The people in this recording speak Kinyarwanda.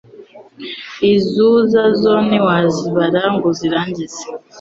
Izuza zo ntiwazibara ngo uzirangize